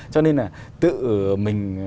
cho nên là tự mình